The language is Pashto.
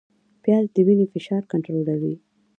پیاز د وینې فشار کنټرولوي